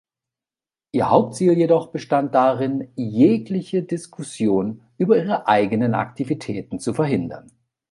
Ihr Hauptziel jedoch bestand darin, jegliche Diskussion über ihre eigenen Aktivitäten zu verhindern.